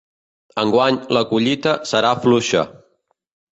Enguany la collita serà fluixa.